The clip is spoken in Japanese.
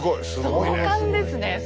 壮観ですね。